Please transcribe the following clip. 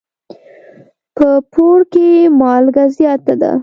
په بوړ کي مالګه زیاته ده.